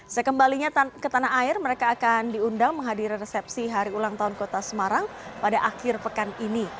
sekembalinya ke tanah air mereka akan diundang menghadiri resepsi hari ulang tahun kota semarang pada akhir pekan ini